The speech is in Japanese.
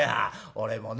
「俺もね